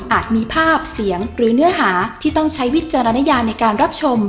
มีภาพเสียงหรือเนื้อหาที่ต้องใช้วิจารณญาในการรับชม